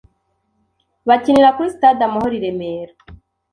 bakinira kuri Stade Amahoro i Remera.